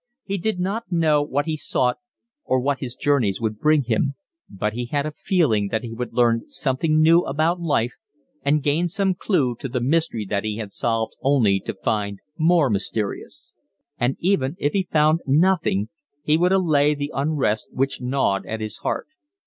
He did not know what he sought or what his journeys would bring him; but he had a feeling that he would learn something new about life and gain some clue to the mystery that he had solved only to find more mysterious. And even if he found nothing he would allay the unrest which gnawed at his heart.